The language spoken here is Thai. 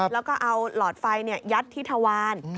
แล้วก็เอาหลอดไฟยัดที่ทวาร